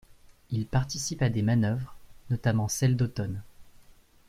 Il participe à des manœuvres, notamment celles d'automne.